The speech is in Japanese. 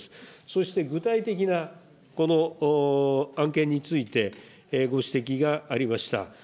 そして具体的な案件について、ご指摘がありました。